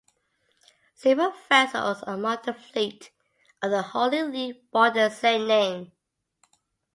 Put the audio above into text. Several vessels among the fleet of the Holy League bore the same name.